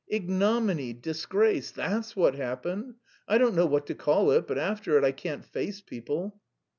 "Ignominy, disgrace that's what's happened. I don't know what to call it, but after it I can't face people."